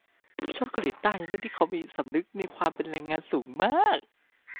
ชอบเกาหลีใต้ในเรื่องที่เค้ามีสำนึกในความเป็นแรงงานสูงมาก